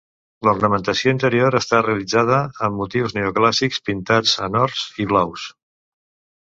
L'ornamentació interior està realitzada amb motius neoclàssics pintats en ors i blaus.